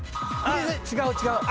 違う違う。